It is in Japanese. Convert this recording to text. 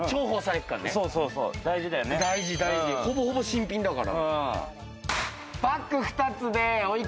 ほぼほぼ新品だから。